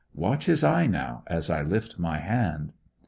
Watch his eye now as I lift my hand!"